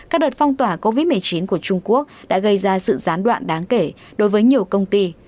các đợt phong tỏa covid một mươi chín của trung quốc đã gây ra sự gián đoạn đáng kể đối với nhiều công ty